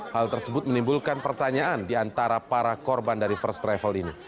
hal tersebut menimbulkan pertanyaan di antara para korban dari first travel ini